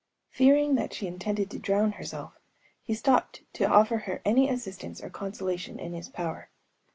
Fearing that she intended to drown herself, he stopped to offer her any assistance or consolation in his power.